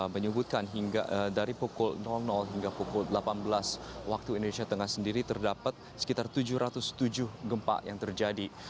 menyebutkan hingga dari pukul hingga pukul delapan belas waktu indonesia tengah sendiri terdapat sekitar tujuh ratus tujuh gempa yang terjadi